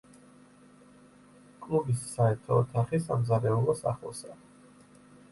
კლუბის საერთო ოთახი სამზარეულოს ახლოსაა.